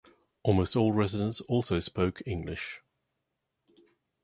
Almost all residents also spoke English.